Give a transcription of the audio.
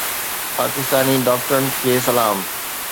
پاڪستاني ڊاڪٽرن کي سلام